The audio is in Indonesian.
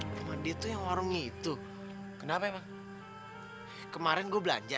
cuma dia tuh yang warung itu kenapa emang kemarin gue belanja